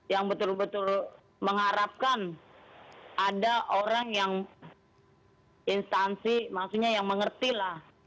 yang betul betul mengharapkan ada orang yang instansi maksudnya yang mengerti lah